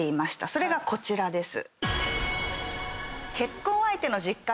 それがこちらです。